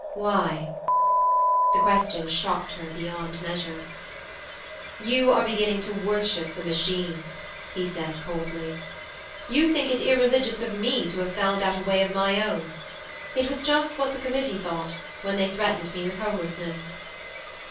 'Why?' The question shocked her beyond measure. 'You are beginning to worship the Machine,' he said coldly. 'You think it irreligious of me to have found out a way of my own. It was just what the Committee thought, when they threatened me with Homelessness.'